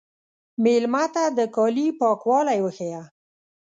مېلمه ته د کالي پاکوالی وښیه.